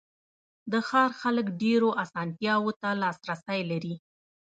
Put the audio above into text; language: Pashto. د ښار خلک ډېرو آسانتیاوو ته لاسرسی لري.